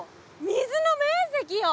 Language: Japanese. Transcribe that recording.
水の面積よ！